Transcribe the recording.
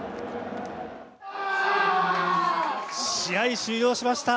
試合終了しました。